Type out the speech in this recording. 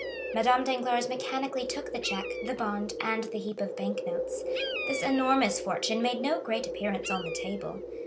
Madame Danglars mechanically took the check, the bond, and the heap of bank notes. This enormous fortune made no great appearance on the table.